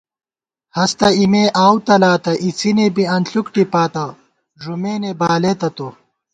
ہست اِمےآؤو تلاتہ، اِڅِنے بی انݪُک ٹِپاتہ، ݫُمېنےبالېتہ تو